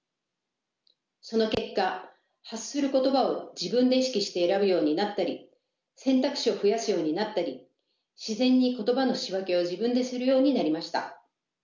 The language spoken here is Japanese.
その結果発する言葉を自分で意識して選ぶようになったり選択肢を増やすようになったり自然に言葉の仕分けを自分でするようになりました。